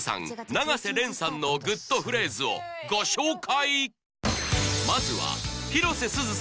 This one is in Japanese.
永瀬廉さんのグッとフレーズをご紹介